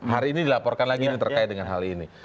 hari ini dilaporkan lagi ini terkait dengan hal ini